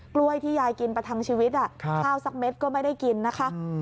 กล้วยที่ยายกินประทังชีวิตข้าวสักเม็ดก็ไม่ได้กินนะคะ